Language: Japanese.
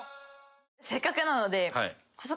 せっかくなのでああ